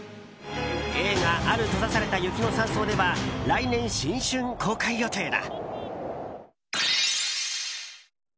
映画「ある閉ざされた雪の山荘で」は来年新春公開予定だ。